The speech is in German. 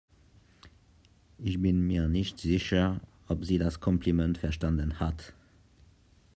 Ich bin mir nicht sicher, ob sie das Kompliment verstanden hat.